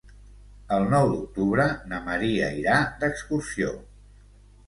El nou d'octubre na Maria irà d'excursió.